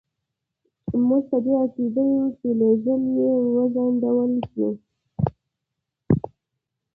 موږ په دې عقیده یو چې لېږل یې وځنډول شي.